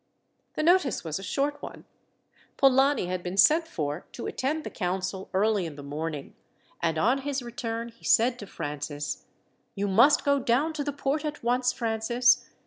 The notice was a short one. Polani had been sent for to attend the council early in the morning, and on his return he said to Francis: "You must go down to the port at once, Francis.